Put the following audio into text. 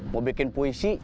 mau bikin puisi